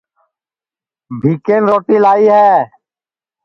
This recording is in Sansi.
بھیکن روٹی لائی ہے